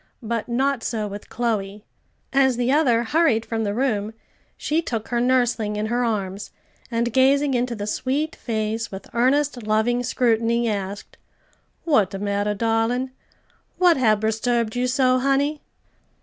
But not so with Chloe. As the other hurried from the room, she took her nursling in her arms, and gazing into the sweet face with earnest, loving scrutiny; asked, "What de matter, darlin'? what hab resturbed you so, honey?"